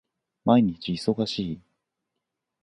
毎日忙しい